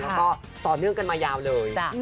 แล้วก็ต่อเนื่องกันมายาวเลย